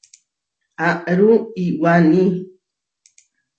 Aarú iwaní.